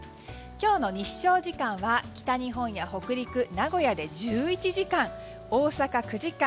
今日の日照時間は北日本や北陸、名古屋で１１時間大阪、９時間。